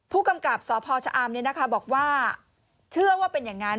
ผู้กำกับสพชะอำบอกว่าเชื่อว่าเป็นอย่างนั้น